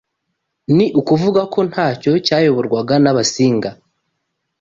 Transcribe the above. Ni ukuvuga ko nacyo cyayoborwaga n’Abasinga